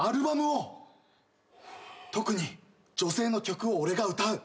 特に女性の曲を俺が歌う。